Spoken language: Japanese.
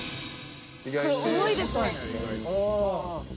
重いですね。